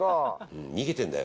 逃げてんだよ。